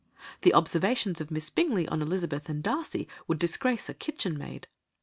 The observations of Miss Bingley on Elizabeth and Darcy would disgrace a kitchen maid.